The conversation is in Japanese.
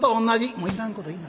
「もういらんこと言いな。